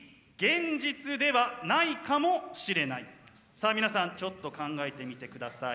さあ皆さんちょっと考えてみてください。